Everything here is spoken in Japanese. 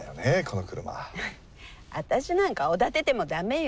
私なんかおだてても駄目よ。